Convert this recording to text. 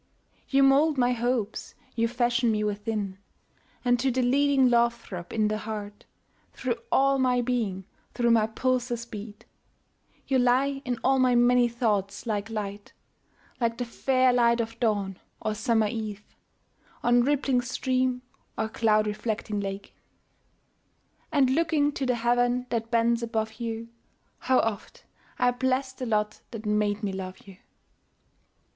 commune } 1807. Now first published from an MS. 26 You mould my Hopes you fashion me within: And to the leading love throb in the heart, Through all my being, through my pulses beat; You lie in all my many thoughts like Light, Like the fair light of Dawn, or summer Eve, On rippling stream, or cloud reflecting lake; And looking to the Heaven that bends above you, How oft! I bless the lot that made me love you.